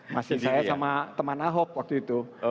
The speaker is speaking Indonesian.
masih saya sama teman ahok waktu itu